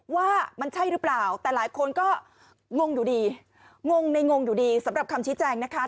ว่ามันใช่หรือเปล่าแต่หลายคนก็งงอยู่ดีงงในงงอยู่ดีสำหรับคำชี้แจงนะคะ